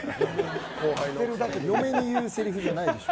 嫁に言うせりふじゃないでしょ。